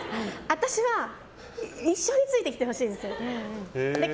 私は一緒についてきてほしいんです。